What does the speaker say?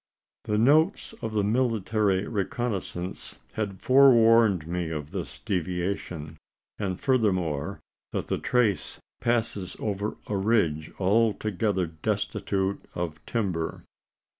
The notes of a military reconnoissance had forewarned me of this deviation; and, furthermore, that the trace passes over a ridge altogether destitute of timber.